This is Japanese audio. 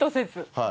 はい。